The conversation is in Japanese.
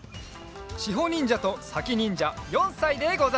しほにんじゃとさきにんじゃ４さいでござる。